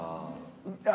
ああ。